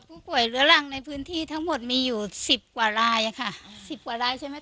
เหลือรังในพื้นที่ทั้งหมดมีอยู่สิบกว่ารายอะค่ะสิบกว่ารายใช่ไหม